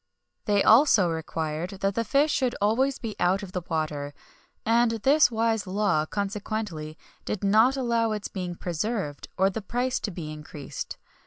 They also required that the fish should always be out of the water; and this wise law, consequently, did not allow its being preserved, or the price to be increased.